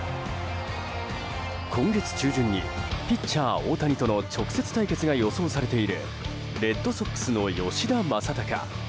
今月中旬にピッチャー大谷との直接対決が予想されているレッドソックスの吉田正尚。